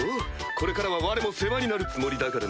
これからはわれも世話になるつもりだからな。